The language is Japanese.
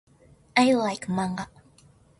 I like manga.